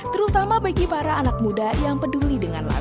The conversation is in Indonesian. terutama bagi para anak muda yang peduli dengan lagu